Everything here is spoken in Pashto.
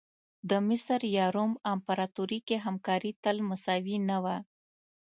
د مصر یا روم امپراتوري کې همکاري تل مساوي نه وه.